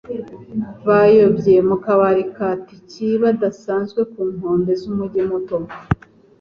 Bayobye mu kabari ka Tiki kadasanzwe ku nkombe z'umujyi muto.